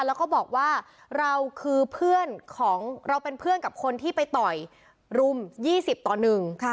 แล้วก็บอกว่าเราเป็นเพื่อนกับคนที่ไปต่อยรุม๒๐ต่อ๑